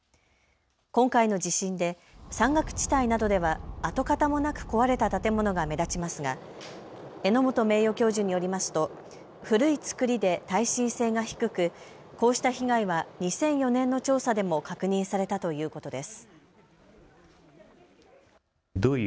今回の地震で山岳地帯などでは跡形もなく壊れた建物が目立ちますが荏本名誉教授によりますと古い造りで耐震性が低くこうした被害は２００４年の調査でも確認されたということです。